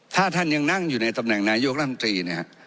ถ้าท่านยังนั่งอยู่ในตำแหน่งนายโยคดังตรีเนี่ย